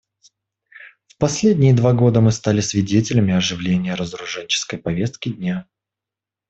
В последние два года мы стали свидетелями оживления разоруженческой повестки дня.